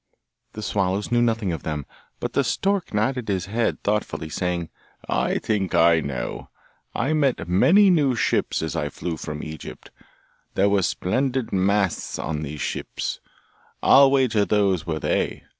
The swallows knew nothing of them, but the stork nodded his head thoughtfully, saying, 'I think I know. I met many new ships as I flew from Egypt; there were splendid masts on the ships. I'll wager those were they!